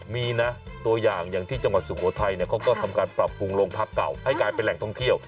มีนะตัวอย่างอย่างที่จังหวัดสุโขทัยเขาก็ทำการปรับปรุงโรงพักเก่าให้กลายเป็นแหล่งท่องเที่ยว